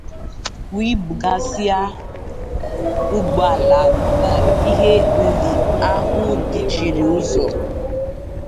wee bughasịa ụgbọala na ihe ndị ahụ dachiri ụzọ.